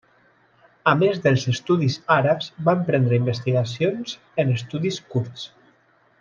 A més dels estudis àrabs, va emprendre investigacions en estudis kurds.